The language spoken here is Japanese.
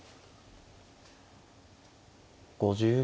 ５０秒。